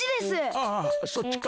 ああそっちか。